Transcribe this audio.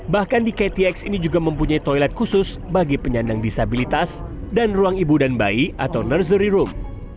bahkan di ktx ini juga mempunyai toilet khusus bagi penyandang disabilitas dan ruang ibu dan bayi atau nursery room